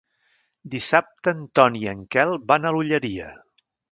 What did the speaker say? Dissabte en Ton i en Quel van a l'Olleria.